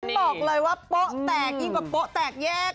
บอกเลยว่าป๊ะแตกอีกกว่าป๊ะแตกแยก